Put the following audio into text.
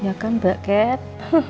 ya kan mbak kat